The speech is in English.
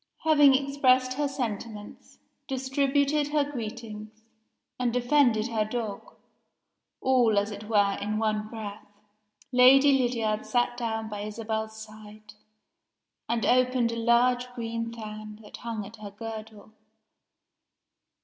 Having expressed her sentiments, distributed her greetings, and defended her dog all, as it were, in one breath Lady Lydiard sat down by Isabel's side, and opened a large green fan that hung at her girdle.